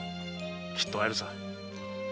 きっと会えるさ。